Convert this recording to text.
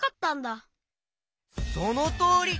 そのとおり。